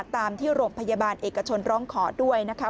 ตามที่โรงพยาบาลเอกชนร้องขอด้วยนะคะ